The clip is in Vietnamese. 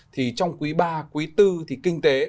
thì trong quý ba quý bốn thì kinh tế